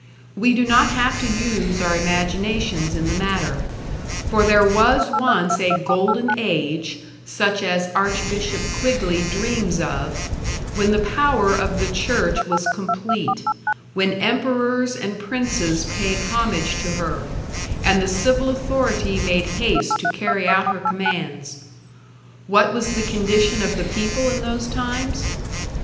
We do not have to use our imaginations in the matter, for there was once a Golden Age such as Archbishop Quigley dreams of, when the power of the church was complete, when emperors and princes paid homage to her, and the civil authority made haste to carry out her commands. What was the condition of the people in those times?